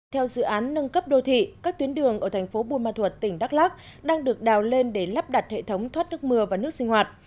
theo dự án nâng cấp đô thị các tuyến đường ở thành phố buôn ma thuật tỉnh đắk lắc đang được đào lên để lắp đặt hệ thống thoát nước mưa và nước sinh hoạt